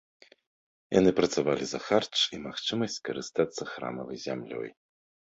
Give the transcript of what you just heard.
Яны працавалі за харч і магчымасць карыстацца храмавай зямлёй.